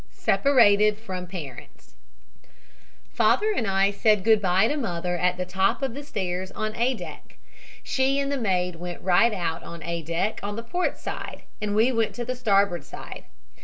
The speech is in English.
SEPARATED FROM PARENTS "Father and I said good bye to mother at the top of the stairs on A deck. She and the maid went right out on A deck on the port side and we went to the starboard side.